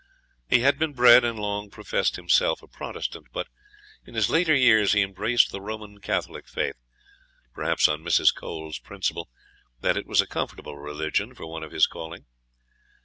He had been bred, and long professed himself, a Protestant; but in his later years he embraced the Roman Catholic faith, perhaps on Mrs. Cole's principle, that it was a comfortable religion for one of his calling.